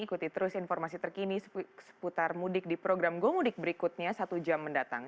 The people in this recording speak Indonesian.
ikuti terus informasi terkini seputar mudik di program gomudik berikutnya satu jam mendatang